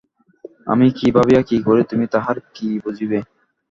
আমি কী ভাবিয়া কী করি তুমি তাহার কী বুঝিবে?